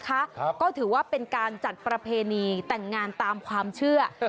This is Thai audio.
ครับก็ถือว่าเป็นการจัดประเพณีแต่งงานตามความเชื่อ